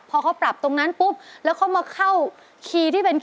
เพื่อนยิงพร้อมบ่ะค่ะ